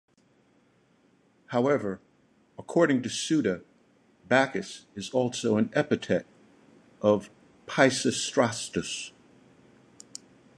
However, according to Suda, Bakis was also an epithet of Peisistratus.